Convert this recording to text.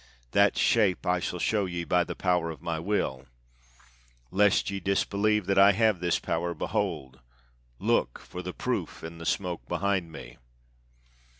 That shape I shall show ye by the power of my will. Lest ye disbelieve that I have this power, behold! Look for proof in the smoke behind me!"